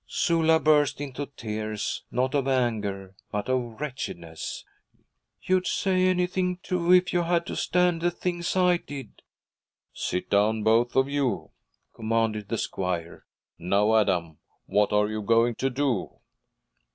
Sula burst into tears, not of anger but of wretchedness. 'You'd say anything, too, if you had to stand the things I did.' 'Sit down, both of you,' commanded the squire. 'Now, Adam, what are you going to do?'